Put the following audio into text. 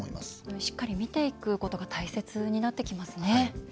しっかり見ていくことが大切になってきますね。